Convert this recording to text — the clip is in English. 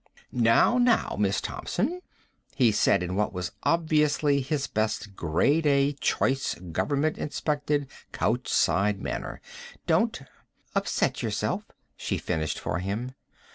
"Now, now, Miss Thompson," he said in what was obviously his best Grade A Choice Government Inspected couchside manner. "Don't...." "... Upset yourself," she finished for him.